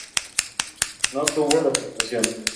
No obtuvo repercusión.